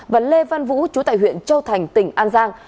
và lê văn vũ chú tại huyện châu thành tỉnh an giang